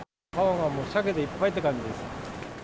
川がもうサケでいっぱいって感じです。